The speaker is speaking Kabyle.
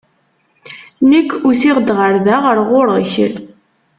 Nekk usiɣ-d ɣer da, ɣer ɣur-k.